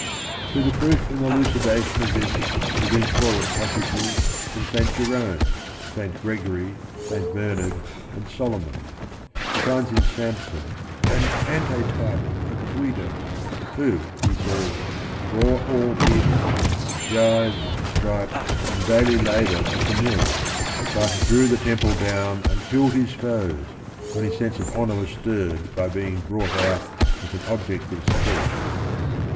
To the proof and elucidation of this he brings forward passages from St. Jerome, St. Gregory, St. Bernard, and Solomon. He finds in Samson an antetype of Guido, who he says bore all evils, "gyves, stripes and daily labor at the mill," but 134 THE RING AND THE BOOK drew the temple down and killed his foes when his sense of honor was stirred by being brought out as an object of sport.